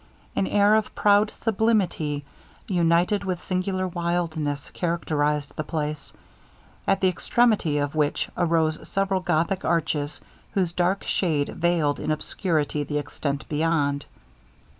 An air of proud sublimity, united with singular wildness, characterized the place, at the extremity of which arose several gothic arches, whose dark shade veiled in obscurity the extent beyond.